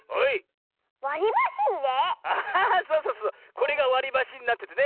これがわりばしになっててね